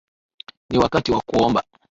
Ni wakati wa kuomba